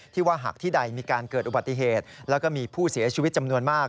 ว่าหากที่ใดมีการเกิดอุบัติเหตุแล้วก็มีผู้เสียชีวิตจำนวนมาก